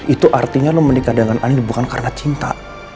itu artinya lo menikah dengan anak bukan karena cinta